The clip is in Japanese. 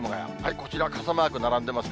こちら、傘マーク並んでますね。